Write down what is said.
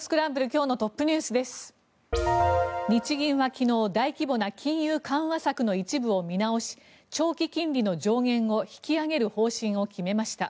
日銀は昨日大規模な金融緩和策の一部を見直し長期金利の上限を引き上げる方針を決めました。